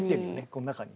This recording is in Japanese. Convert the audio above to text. この中に。